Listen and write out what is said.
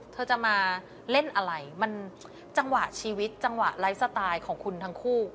เธอจะมาเล่นอะไรมันจังหวะชีวิตจังหวะไลฟ์สไตล์ของคุณทั้งคู่